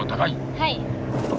はい。